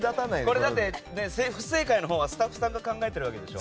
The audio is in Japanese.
これ、不正解のほうはスタッフさんが考えてるわけでしょ？